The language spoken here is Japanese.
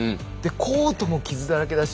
コートも傷だらけだし。